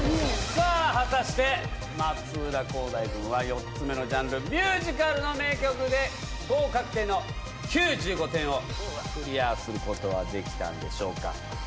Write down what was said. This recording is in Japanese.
さぁ果たして松浦航大君は４つ目のジャンル「ミュージカル」の名曲で合格点の９５点をクリアすることはできたんでしょうか。